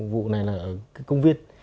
vụ này là công viên